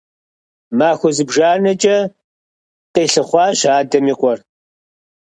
Махуэ зыбжанэкӀэ къилъыхъуащ адэм и къуэр.